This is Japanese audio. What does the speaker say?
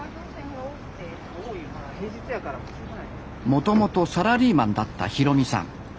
もともとサラリーマンだった弘巳さん。